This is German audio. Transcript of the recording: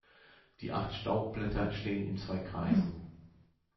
Die acht Staubblätter stehen in zwei Kreisen.